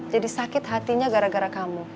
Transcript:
jadi sakit hatinya gara gara kamu